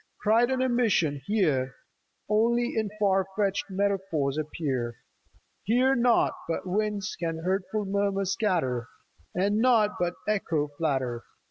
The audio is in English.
Pride and ambition here Only in far f etched metaphors appear ; Here naught but winds can hurtful murmurs scatter, And naught but echo flatter.